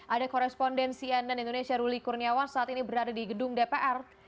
ada korespondensi ann indonesia ruli kurniawan saat ini berada di gedung dpr